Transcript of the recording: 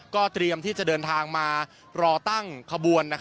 เตรียมที่จะเดินทางมารอตั้งขบวน